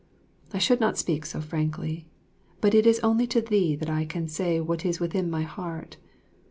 I should not speak so frankly, but it is only to thee that I can say what is within my heart.